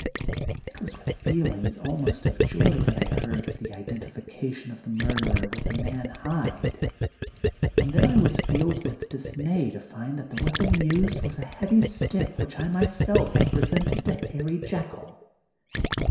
It was with feelings almost of joy that I heard of the identification of the murderer with the man Hyde; and then I was filled with Dr. Jehyll and Mr. Hyde. 13 dismay to find that the weapon used was a heavy stick which I myself had presented to Harry Jekyll.